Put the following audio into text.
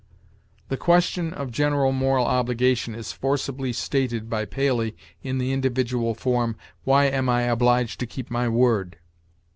The question of general moral obligation is forcibly stated by Paley in the individual form, 'Why am I obliged to keep my word?'